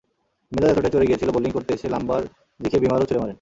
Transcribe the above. মেজাজ এতটাই চড়ে গিয়েছিল, বোলিং করতে এসে লাম্বার দিকে বিমারও ছুড়ে মারেন।